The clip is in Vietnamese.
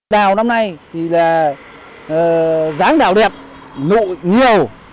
đào năm nay thì là dáng đảo đẹp nội nhiều